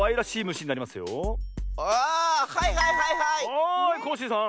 はいコッシーさん。